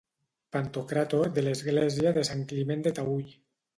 Pantocràtor de l'església de Sant Climent de Taüll.